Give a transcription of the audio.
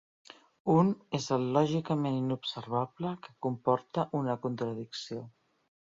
Un és el lògicament inobservable, que comporta una contradicció.